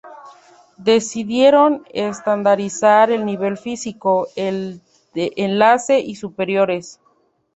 Decidieron estandarizar el nivel físico, el de enlace y superiores.